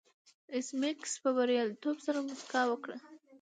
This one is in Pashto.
ایس میکس په بریالیتوب سره موسکا وکړه